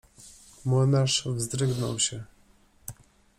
Młynarz wzdrygnął się.